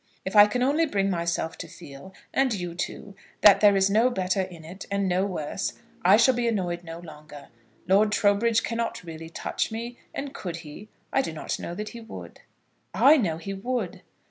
If I can only bring myself to feel, and you too, that there is no better in it, and no worse, I shall be annoyed no longer. Lord Trowbridge cannot really touch me; and could he, I do not know that he would." "I know he would."